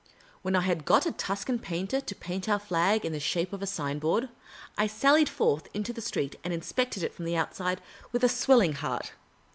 When I had got a Tuscan painter to plant our flag in the shape of a sign board, I sallied forth into the street and inspected it from outside with a swelling heart.